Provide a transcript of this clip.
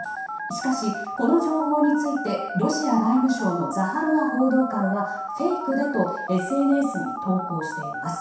しかし、この情報についてロシア外務省のザハロワ報道官はフェイクだとＳＮＳに投稿しています。